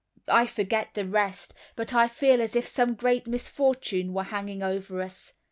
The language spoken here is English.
"I forget the rest. But I feel as if some great misfortune were hanging over us.